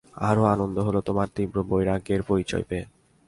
আরও আনন্দ হল তোমার তীব্র বৈরাগ্যের পরিচয় পেয়ে।